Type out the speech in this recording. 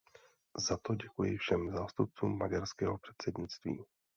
Za to děkuji všem zástupcům maďarského předsednictví.